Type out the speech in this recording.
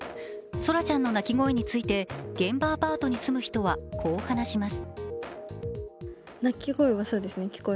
奏良ちゃんの泣き声について現場アパートに住む人はこう話します。